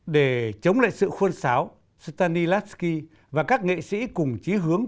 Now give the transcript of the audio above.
để chống lại sự khuôn xáo stanislavski và các nghệ sĩ cùng chí hướng